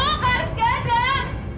bu karis gak ada